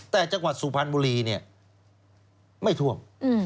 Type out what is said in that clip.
แต่จังหวัดสุพรรณบุรีเนี่ยไม่ท่วม